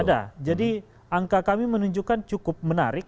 ada jadi angka kami menunjukkan cukup menarik